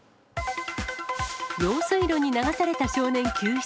用水路に流された少年救出。